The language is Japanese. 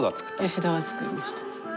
吉田が作りました。